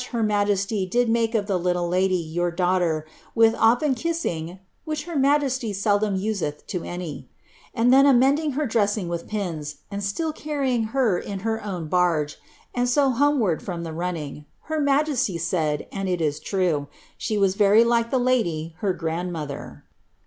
her majesty did make of'lhe Ihlle lady, your daughter, wiih often kiss ills: (which her majesty seldom useih to any\ and then ainendiiiE ha dressing with pins, and still carrying her in her own barje, and so hcme ward from the running. Her majesty said (and true it is) she was ifiv like the lady, her grandmother."